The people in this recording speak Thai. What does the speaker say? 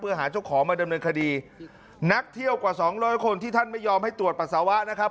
เพื่อหาเจ้าของมาดำเนินคดีนักเที่ยวกว่าสองร้อยคนที่ท่านไม่ยอมให้ตรวจปัสสาวะนะครับ